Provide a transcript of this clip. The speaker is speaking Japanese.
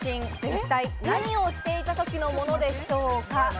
一体何をしていた時のものでしょうか。